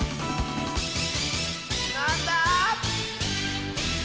なんだ？